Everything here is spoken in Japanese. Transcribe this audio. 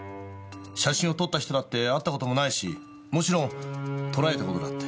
写真を撮った人だって会った事もないしもちろん撮られた事だって。